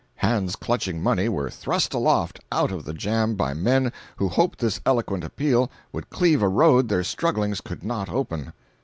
Hands clutching money, were thrust aloft out of the jam by men who hoped this eloquent appeal would cleave a road their strugglings could not open.